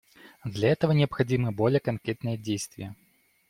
Для этого необходимы более конкретные действия.